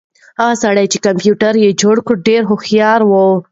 هغه سړی چې کمپیوټر یې جوړ کړ ډېر هوښیار و.